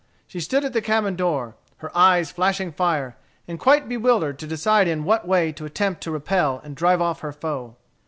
She stood at the cabin door, her eyes flashing fire, and quite bewildered to decide in what way to attempt to repel and drive off her foe.